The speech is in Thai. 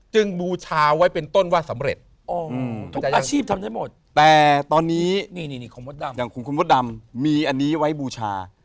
จึงบูชาไว้เป็นต้นว่าสำเร็จ